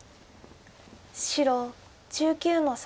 白１９の三。